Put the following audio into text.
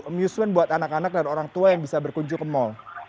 amusement buat anak anak dan orang tua yang bisa berkunjung ke mall